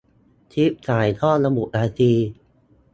คลิปถ่ายทอด ระบุนาที